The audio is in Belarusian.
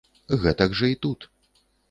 Гэтак жа і тут.